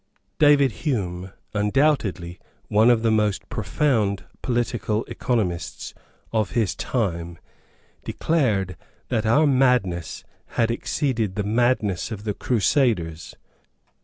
David Hume, undoubtedly one of the most profound political economists of his time, declared that our madness had exceeded the madness of the Crusaders.